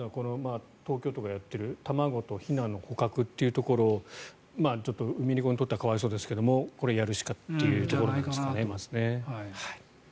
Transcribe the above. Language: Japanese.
東京都がやっている卵とひなの捕獲というところちょっとウミネコにとっては可哀想ですけどこれをやるしかというところですね。